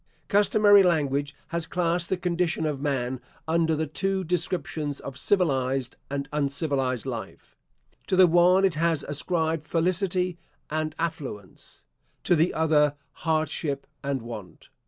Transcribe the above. Customary language has classed the condition of man under the two descriptions of civilised and uncivilised life. To the one it has ascribed felicity and affluence; to the other hardship and want.